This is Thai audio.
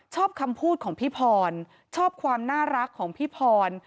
ชอบคำพูดของพี่พรชอบความน่ารักของพี่พร